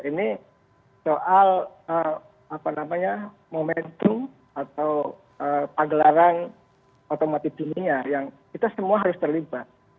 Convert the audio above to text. ini soal momentum atau pagelaran otomotif dunia yang kita semua harus terlibat